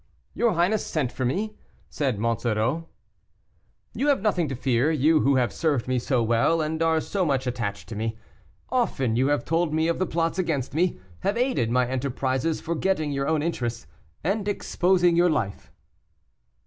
"Your highness sent for me?" said Monsoreau. "You have nothing to fear, you who have served me so well, and are so much attached to me. Often you have told me of the plots against me, have aided my enterprises forgetting your own interests, and exposing your life."